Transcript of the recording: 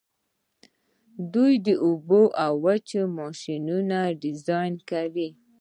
دوی د اوبو او وچې ماشینونه ډیزاین کوي.